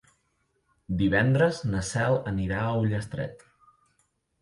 Divendres na Cel anirà a Ullastret.